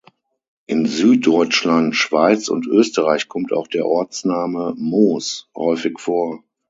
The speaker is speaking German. In Süddeutschland, Schweiz und Österreich kommt auch der Ortsname "Moos" häufig vor.